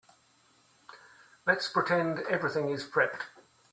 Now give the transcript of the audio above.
Let's pretend everything is prepped.